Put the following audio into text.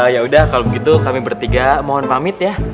ya udah kalau begitu kami bertiga mohon pamit ya